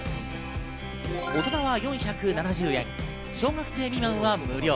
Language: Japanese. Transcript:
大人は４７０円、小学生未満は無料。